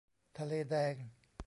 ทะเลแดง